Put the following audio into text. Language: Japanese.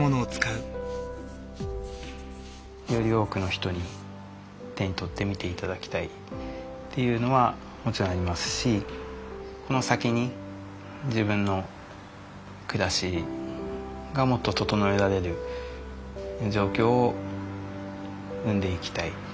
より多くの人に手に取ってみて頂きたいっていうのはもちろんありますしこの先に自分の暮らしがもっと整えられる状況を生んでいきたい。